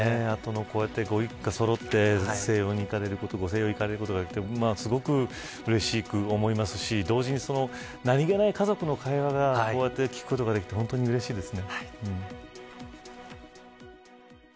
こうやって、ご一家そろって静養に行かれることがあってうれしく思いますし何げない家族の会話を聞くことができて本当にうれしいです。